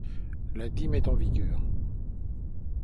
La dîme est en vigueur.